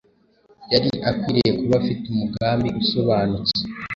yari akwiriye kuba afite umugambi usobanutse